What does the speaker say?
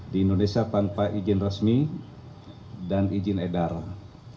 di indonesia tanpa izin resmi dan izin edaran